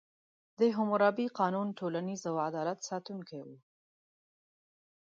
د حموربي قانون ټولنیز او عدالت ساتونکی و.